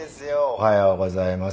おはようございます。